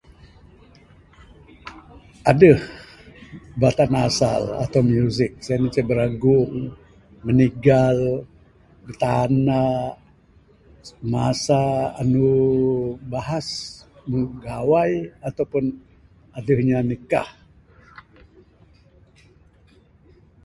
Aduh batan asal atau muzik, sien ce ne biragung, minigal, bitanda, masa andu bahas mung gawai atau pun aduh inya nikah.